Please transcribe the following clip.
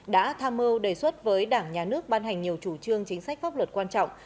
đã tham mưu đề xuất với đảng nhà nước ban hành nhiều chủ trương chính sách pháp luật quan trọng